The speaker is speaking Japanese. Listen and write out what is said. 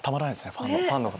ファンの方。